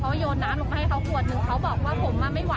เขาโยนน้ำลงไปให้เขาขวดหนึ่งเขาบอกว่าผมอ่ะไม่ไห